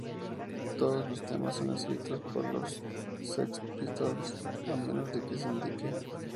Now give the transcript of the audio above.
Todos los temas son Escritos por los Sex Pistols A Menos que se Indique.